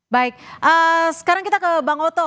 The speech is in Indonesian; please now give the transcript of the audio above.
baik sekarang kita ke bang oto